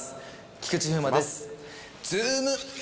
菊池風磨です。